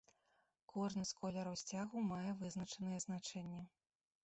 Кожны з колераў сцягу мае вызначанае значэнне.